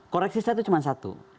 koreksi saya itu cuma satu